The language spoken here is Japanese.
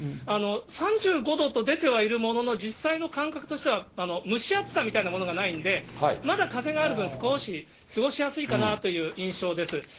３５度と出てはいるものの、実際の感覚としては、蒸し暑さみたいなものがないんで、まだ風がある分、少し過ごしやすいかなという印象です。